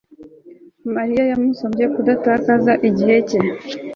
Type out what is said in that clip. Mariya yamusabye kudatakaza igihe cye